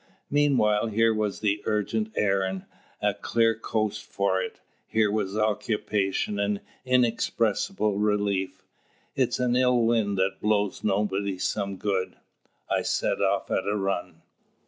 Meanwhile, here was an urgent errand, and a clear coast for it; here was occupation and inexpressible relief. It's an ill wind that blows nobody some good. I set off at a run.